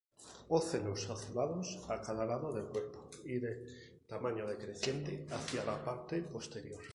Ocelos azulados a cada lado del cuerpo, de tamaño decreciente hacia la parte posterior.